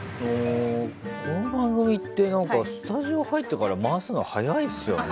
この番組ってスタジオ入ってから回すの早いですよね。